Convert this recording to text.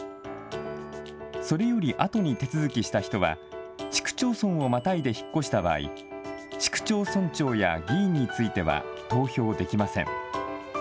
それよりあとに手続きした人は、市区町村をまたいで引っ越した場合、市区町村長や議員については投票できません。